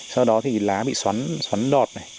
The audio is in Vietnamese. sau đó thì lá bị xoắn đọt này